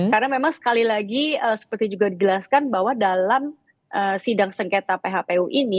karena memang sekali lagi seperti juga dijelaskan bahwa dalam sidang sengketa phpu ini